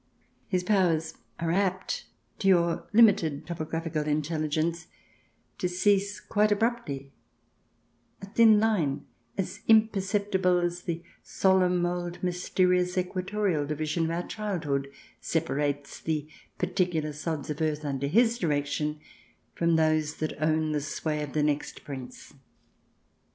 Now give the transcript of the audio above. His powers are apt — to your limited topographical intelligence — to cease quite abruptly; a thin line, as imperceptible as the solemn, old, mysterious, equatorial division of our childhood, separates the particular sods of earth under his direction from those that own the sway of the next Prince.